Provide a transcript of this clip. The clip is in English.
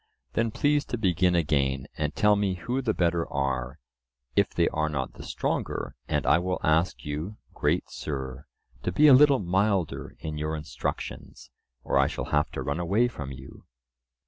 Then please to begin again, and tell me who the better are, if they are not the stronger; and I will ask you, great Sir, to be a little milder in your instructions, or I shall have to run away from you.